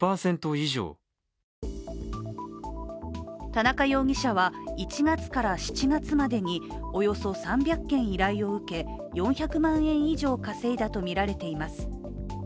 田中容疑者は１月から７月までにおよそ３００件依頼を受け４００万円以上稼いだとみられます。